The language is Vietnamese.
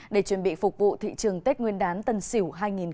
để chuẩn bị phục vụ thị trường tết nguyên đán tân sỉu hai nghìn hai mươi một